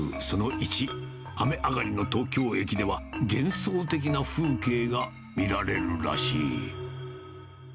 その１、雨上がりの東京駅では、幻想的な風景が見られるらしい。